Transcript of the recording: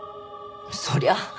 そりゃあ。